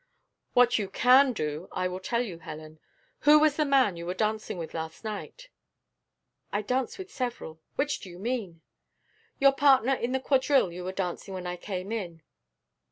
"What you CAN do, I will tell you, Helen. Who was the man you were dancing with last night?" "I danced with several; which do you mean?" "Your partner in the quadrille you were dancing when I came in."